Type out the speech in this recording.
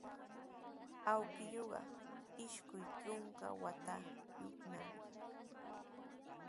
Awkilluuqa isqun trunka watayuqnami.